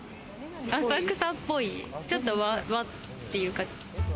浅草っぽい、ちょっと和っていうか。